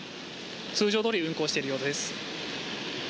通常どおり運行しているようです。